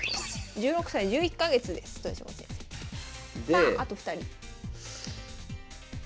さああと２人。